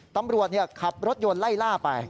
ตำรวจขับรถยนต์ไล่ล่าไป